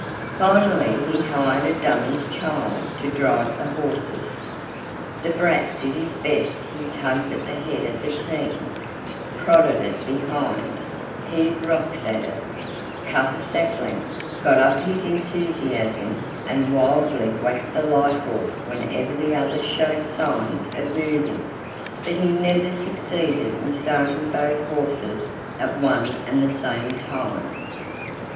Finally he hired a dummy's child to drive the horses. The brat did his best he tugged at the head of the team, prodded it behind, heaved rocks at it, cut a sapling, got up his enthusiasm, and wildly whacked the light horse whenever the other showed signs of moving but he never succeeded in starting both horses at one and the same time.